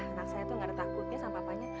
anak saya tuh gak ada takutnya sama papanya